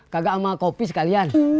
kagak mau kopi sekalian